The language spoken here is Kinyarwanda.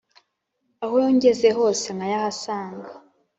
aho ngeze hose nkayahasanga